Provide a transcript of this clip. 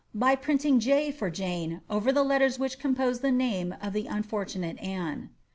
by printiiig J. for Jane over the letters which composed the name of the iinforttiDate Anne.'